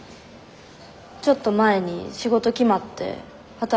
ちょっと前に仕事決まって働きだして。